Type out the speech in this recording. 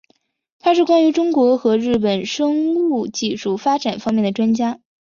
他是关于中国和日本生物技术发展方面的专家。